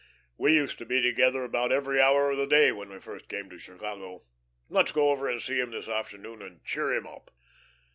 We used to be together about every hour of the day when we first came to Chicago. Let's go over to see him this afternoon and cheer him up."